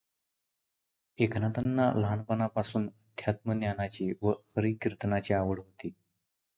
एकनाथांना लहानपणापासून अध्यात्मज्ञानाची व हरिकीर्तनाची आवड होती.